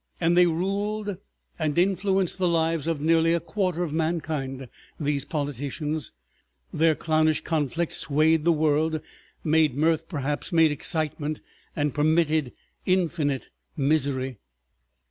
And they ruled and influenced the lives of nearly a quarter of mankind, these politicians, their clownish conflicts swayed the world, made mirth perhaps, made excitement, and permitted—infinite misery.